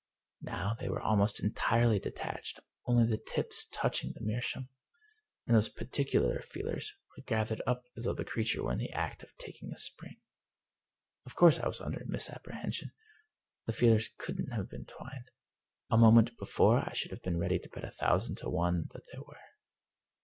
Now they were almost entirely detached, only the tips touching the meerschaum, and those particular feelers were gathered up as though the creature were in the act of taking a spring. Of course I was under a misapprehension: the feelers couldn't have been twined; a moment before I should have been ready to bet a thousand to one that they were.